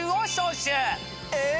え！